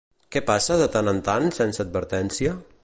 Què passa de tant en tant sense advertència?